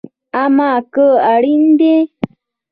امه که اړين دي